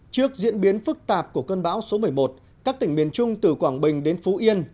trước diễn biến phức tạp của cơn bão số một mươi một các tỉnh miền trung từ quảng bình đến phú yên